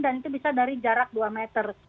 dan itu bisa dari jarak dua meter